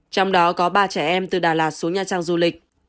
trong đó có ba trẻ em từ đà lạt xuống nha trang du lịch